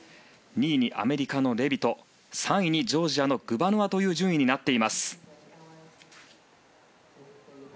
２位にアメリカのレビト３位にジョージアのグバノワという順位になっています。